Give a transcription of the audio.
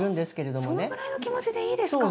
そのぐらいの気持ちでいいですか？